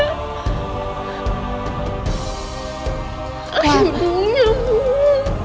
aduh ya ampun